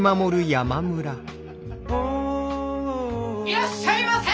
いらっしゃいませ！